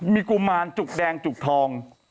มีกุมารจุกแดงจุกทอง